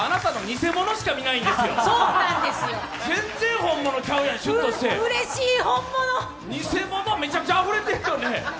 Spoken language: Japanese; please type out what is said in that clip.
偽物めちゃくちゃあふれてるよね。